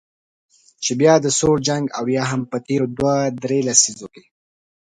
چې بیا د سوړ جنګ او یا هم په تیرو دوه درې لسیزو کې